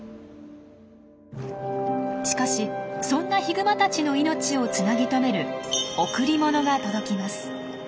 しかしそんなヒグマたちの命をつなぎとめる「贈り物」が届きます。